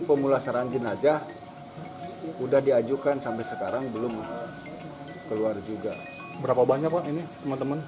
pemulasaran jenazah udah diajukan sampai sekarang belum keluar juga berapa banyak pak ini teman teman